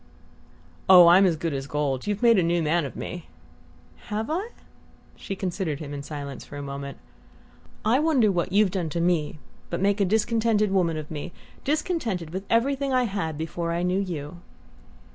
"Oh, I'm as good as gold. You've made a new man of me!" "Have I?" She considered him in silence for a moment. "I wonder what you've done to me but make a discontented woman of me discontented with everything I had before I knew you?"